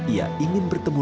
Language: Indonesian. ya bisa bertemu